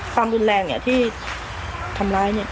ความรุนแรงเนี่ยที่ทำร้ายเนี่ย